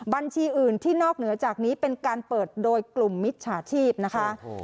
บัญชีอื่นที่นอกเหนือจากนี้เป็นการเปิดโดยกลุ่มมิจฉาชีพนะคะ